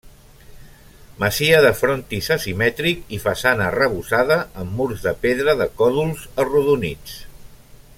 Masia de frontis asimètric i façana arrebossada amb murs de pedra de còdols arrodonits.